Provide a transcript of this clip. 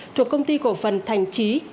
thuộc công ty cổ phần thành trí